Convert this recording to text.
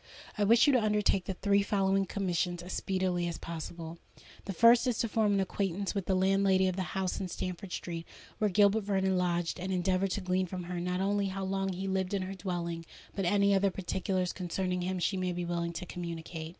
"I wish you to undertake the three following commissions as speedily as possible. "The first is to form an acquaintance with the landlady of the house in Stamford Street where Gilbert Vernon lodged, and endeavour to glean from her not only how long he lived in her dwelling, but any other particulars concerning him she may be willing to communicate.